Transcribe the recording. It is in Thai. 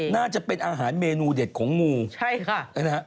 น่าจะเป็นอาหารเมนูเด็ดของงูใช่ค่ะนะฮะ